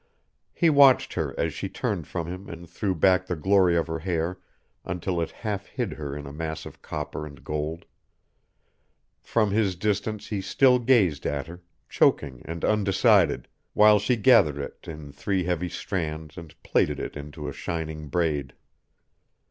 He watched her as she turned from him and threw back the glory of her hair until it half hid her in a mass of copper and gold; from his distance he still gazed at her, choking and undecided, while she gathered it in three heavy strands and plaited it into a shining braid.